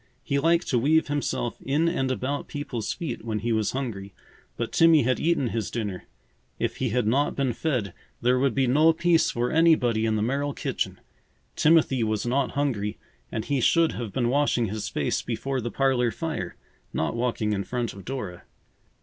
He liked to weave himself in and about people's feet when he was hungry, but Timmy had eaten his dinner. If he had not been fed, there would be no peace for anybody in the Merrill kitchen. Timothy was not hungry and he should have been washing his face before the parlor fire, not walking in front of Dora.